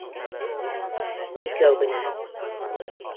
Икәү генә...